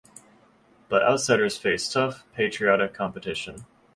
But outsiders face tough, patriotic competition.